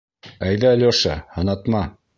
Әйҙә, Леша, һынатма!